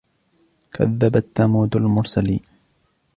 كذبت ثمود المرسلين